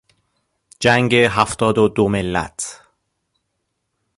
جنگ هفتاد و دو ملت...